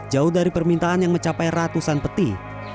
jauh dari permintaan yang mencapai ratusan peti